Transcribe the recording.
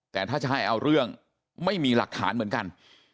แต่ถ้าจะให้เอาเรื่องไม่มีหลักฐานเหมือนกัน